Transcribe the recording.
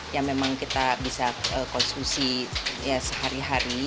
yang memang kita bisa konstruksi ya sehari hari